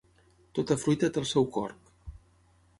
Tota fruita té el seu corc.